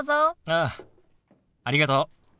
ああありがとう。